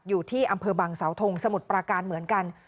อยู่ที่อำเภอบังเสาทงสมุทรปราการเหมือนกัน